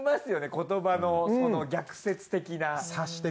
言葉の逆説的な。